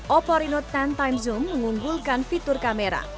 oppo reno sepuluh time zoom mengunggulkan fitur kamera